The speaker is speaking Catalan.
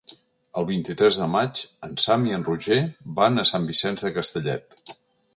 El vint-i-tres de maig en Sam i en Roger van a Sant Vicenç de Castellet.